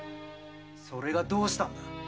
それがどうした。